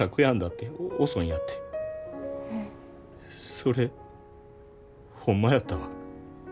それホンマやったわ。